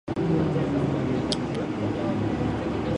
今から晴れるよ